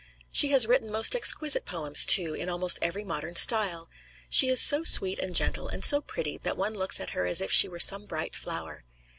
She has written most exquisite poems, too, in almost every modern style. She is so sweet and gentle, and so pretty that one looks at her as if she were some bright flower."